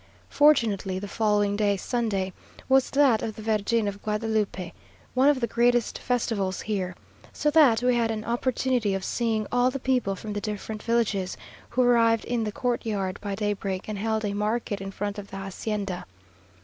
Fortunately the following day (Sunday) was that of the Virgin of Guadalupe, one of the greatest festivals here; so that we had an opportunity of seeing all the people from the different villages, who arrived in the courtyard by daybreak, and held a market in front of the hacienda.